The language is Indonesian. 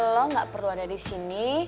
lo gak perlu ada di sini